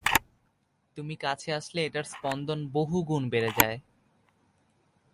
তুমি কাছে আসলে এটার স্পন্দন বহুগুণ বেড়ে যায়।